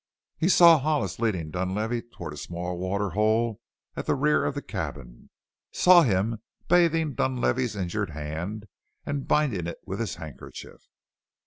He saw Hollis leading Dunlavey toward a small water hole at the rear of the cabin; saw him bathing Dunlavey's injured hand and binding it with his handkerchief.